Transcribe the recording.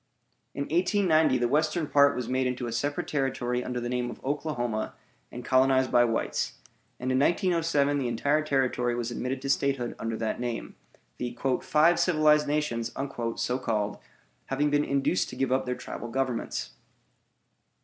In 1890 the western part was made into a separate territory under the name of Oklahoma and colonized by whites; and in 1907 the entire territory was admitted to statehood under that name, the "Five Civilized Nations," so called, having been induced to give up their tribal governments.